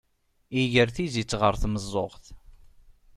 Iger tizit ɣer tmeẓẓuɣt.